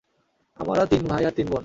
আমারা তিন ভাই আর তিন বোন।